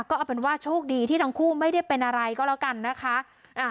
ก็เอาเป็นว่าโชคดีที่ทั้งคู่ไม่ได้เป็นอะไรก็แล้วกันนะคะ